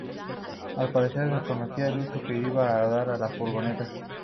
Al parecer desconocía el uso que se iba a dar a la furgoneta.